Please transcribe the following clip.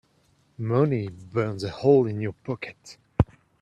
Money burns a hole in your pocket.